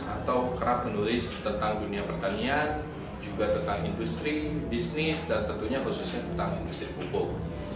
atau kerap menulis tentang dunia pertanian juga tentang industri bisnis dan tentunya khususnya tentang industri pupuk